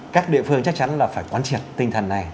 các địa phương chắc chắn là phải quán triệt tinh thần này